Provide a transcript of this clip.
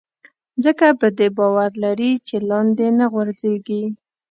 ځکه په دې باور لري چې لاندې نه غورځېږي.